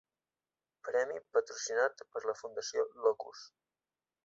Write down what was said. Premi patrocinat per la Fundació Locus.